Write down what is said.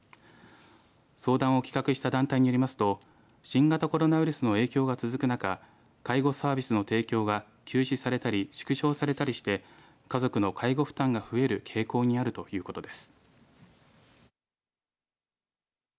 相談を企画した団体によりますと新型コロナウイルスの影響が続く中介護サービスの提供が休止されたり縮小されたりして家族の介護負担が増える傾向にあるということです。